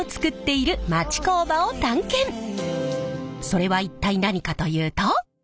それは一体何かというと。